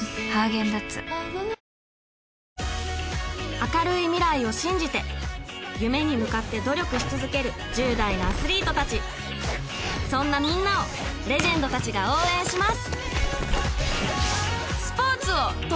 明るい未来を信じて夢に向かって努力し続ける１０代のアスリート達そんなみんなをレジェンド達が応援します